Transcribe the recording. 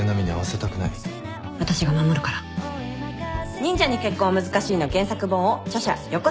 『忍者に結婚は難しい』の原作本を著者横関